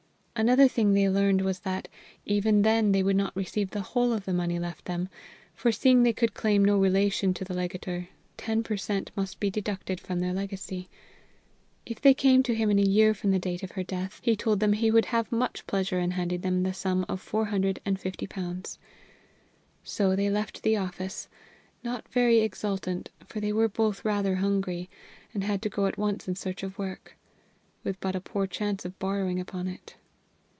Another thing they learned was that, even then, they would not receive the whole of the money left them, for seeing they could claim no relation to the legator, ten per cent must be deducted from their legacy. If they came to him in a year from the date of her death, he told them he would have much pleasure in handing them the sum of four hundred and fifty pounds. So they left the office not very exultant, for they were both rather hungry, and had to go at once in search of work with but a poor chance of borrowing upon it.